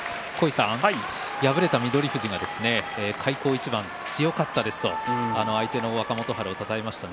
敗れた翠富士が開口一番、強かったですと相手の若元春をたたえました。